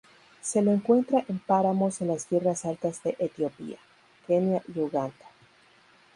Se lo encuentra en páramos en las tierras altas de Etiopía, Kenia, y Uganda.